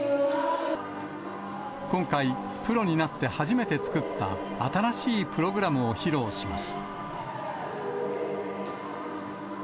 今回、プロになって初めて作った新しいプログラムを披露します。